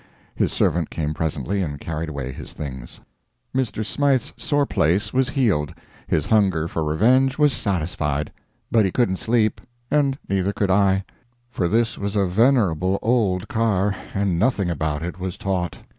His servant came presently and carried away his things. Mr. Smythe's sore place was healed, his hunger for revenge was satisfied. But he couldn't sleep, and neither could I; for this was a venerable old car, and nothing about it was taut.